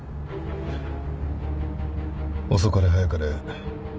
遅かれ早かれ